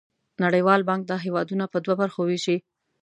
نړیوال بانک دا هېوادونه په دوه برخو ویشي.